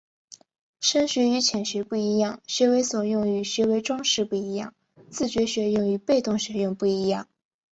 深学与浅学不一样、学为所用与学为‘装饰’不一样、自觉学用与被动学用不一样